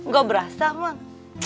gak berasa emang